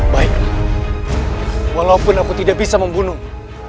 baiklah walaupun aku tidak bisa membunuhmu